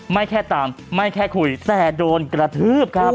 ไม่แค่ตามไม่แค่คุยแต่โดนกระทืบครับ